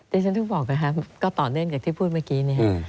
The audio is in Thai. ผมถูกบอกนี้ก็ต่อเนื่องกับพูดเมื่อกี้